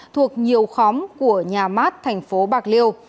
thuộc nhiều khóm của nhà mát tp bạc liêu